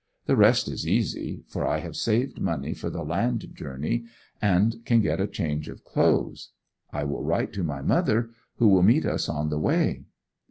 The rest is easy, for I have saved money for the land journey, and can get a change of clothes. I will write to my mother, who will meet us on the way.